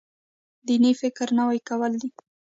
دیني فکر نوی کول دی.